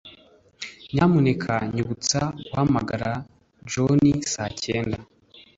Nyamuneka nyibutsa guhamagara John saa cyenda.